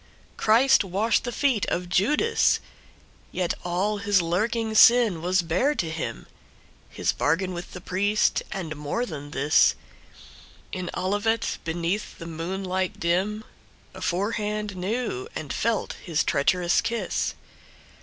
Christ washed the feet of Judas! Yet all his lurking sin was bare to him, His bargain with the priest, and more than this, In Olivet, beneath the moonlight dim, Aforehand knew and felt his treacherous kiss.